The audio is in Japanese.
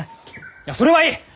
いやそれはいい！